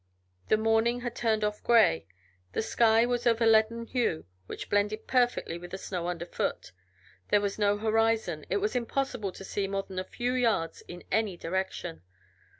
The morning had turned off gray, the sky was of a leaden hue which blended perfectly with the snow underfoot, there was no horizon, it was impossible to see more than a few yards in any direction.